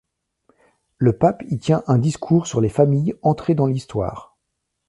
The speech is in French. Le pape y tient un discours sur les familles entré dans l'histoire.